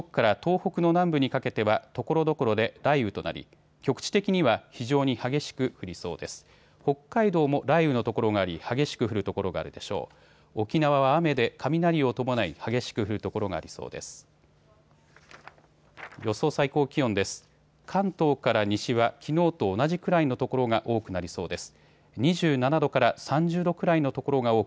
沖縄は雨で雷を伴い、激しく降る所がありそうです。